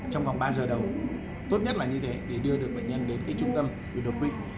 trong khoảng ba giờ đầu tốt nhất là như thế để đưa được bệnh nhân đến cái trung tâm đột quỵ